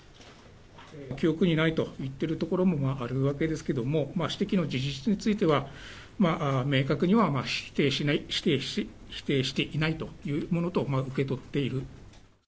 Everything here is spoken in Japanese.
記憶にないと言っているところもあるわけですけども、指摘の事実については、明確には否定していないというものと受け取っている。